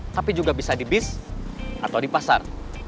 tapi juga bisa di bis atau di pasar